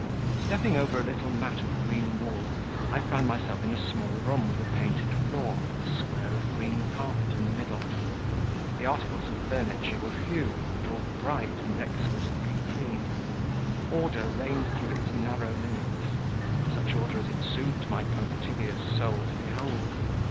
Stepping over a little mat of green wool, I found myself in a small room with a painted floor and a square of green carpet in the middle; the articles of furniture were few, but all bright and exquisitely clean; order reigned through its narrow limits such order as it soothed my punctilious soul to behold.